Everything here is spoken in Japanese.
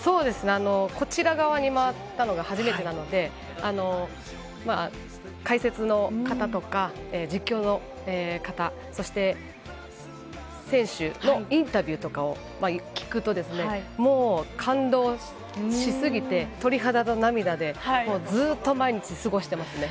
こちら側に回ったのが初めてなので、解説の方とか、実況の方、そして選手のインタビューとかを聞くともう感動しすぎて鳥肌と涙でずっと毎日、過ごしています。